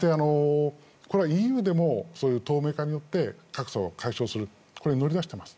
ＥＵでも透明化によって格差を解消することにこれ乗り出してます。